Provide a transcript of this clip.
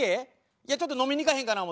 いやちょっと飲みに行かへんかな思て。